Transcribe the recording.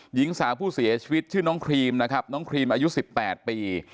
หญิงสาวผู้เสียชีวิตชื่อน้องครีมนะครับน้องครีมอายุ๑๘ปี